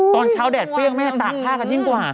ตอนเช้าแดดเปรี้ยงแม่ตากผ้ากันยิ่งกว่า